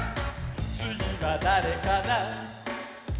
「つぎはだれかな？」